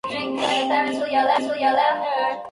Es conducido por Pacho O'Donell.